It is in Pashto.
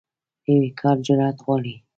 نوی کار جرئت غواړي